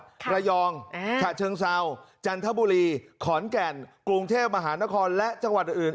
ระยองฉะเชิงเซาจันทบุรีขอนแก่นกรุงเทพมหานครและจังหวัดอื่น